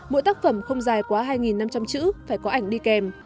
mỗi tác phẩm không dài quá hai năm trăm linh chữ phải có ảnh đi kèm